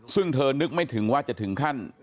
ซึ่งเธอนึกไม่ถึงว่าจะถึงขั้น